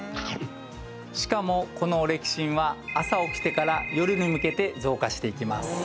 しかもこのオレキシンは朝起きてから夜に向けて増加していきます